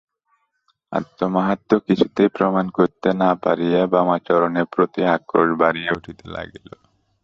আত্মমাহাত্ম্য কিছুতেই প্রমাণ করিতে না পারিয়া বামাচরণের প্রতি আক্রোশ বাড়িয়া উঠিতে লাগিল।